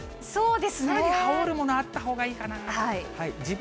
さらに羽織るものあったほうがいいかな。